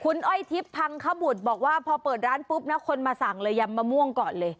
คุณอ้อยทิพย์พังขบุตรบอกว่าพอเปิดร้านปุ๊บนะคนมาสั่งเลยยำมะม่วงก่อนเลย